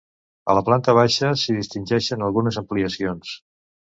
A la planta baixa s'hi distingeixen algunes ampliacions.